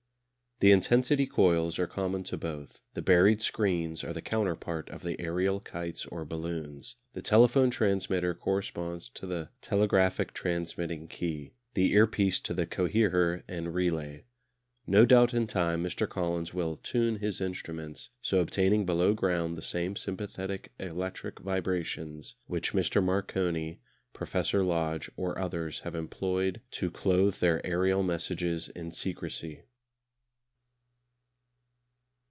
The intensity coils are common to both; the buried screens are the counterpart of the aërial kites or balloons; the telephone transmitter corresponds to the telegraphic transmitting key; the earpiece to the coherer and relay. No doubt in time Mr. Collins will "tune" his instruments, so obtaining below ground the same sympathetic electric vibrations which Mr. Marconi, Professor Lodge, or others have employed to clothe their aërial messages in secrecy.